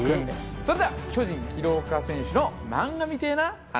それでは巨人・廣岡選手の「漫画みてぇな話」。